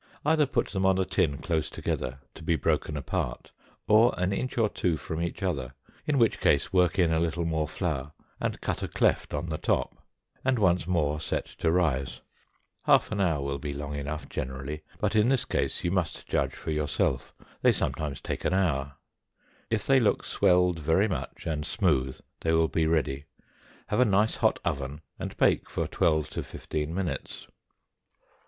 Either put them on a tin close together, to be broken apart, or an inch or two from each other, in which case work in a little more flour, and cut a cleft on the top, and once more set to rise; half an hour will be long enough generally, but in this case you must judge for yourself, they sometimes take an hour; if they look swelled very much and smooth they will be ready. Have a nice hot oven, and bake for twelve to fifteen minutes.